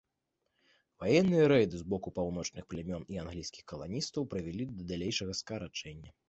Ваенныя рэйды з боку паўночных плямён і англійскіх каланістаў прывялі да далейшага скарачэння.